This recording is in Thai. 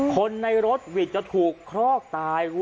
คนในรถหวิดจะถูกคลอกตาย